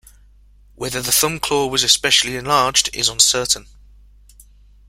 Whether the thumb claw was especially enlarged, is uncertain.